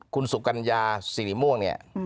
คุณสุกรรยาศรีริม่วง